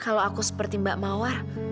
kalau aku seperti mbak mawar